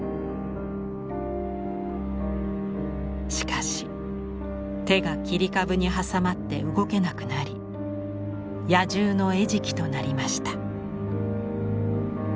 しかし手が切り株に挟まって動けなくなり野獣の餌食となりました。